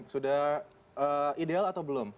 sudah ideal atau belum